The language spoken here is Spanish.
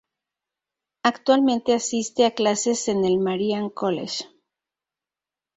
Actualmente asiste a clases en el Marian College.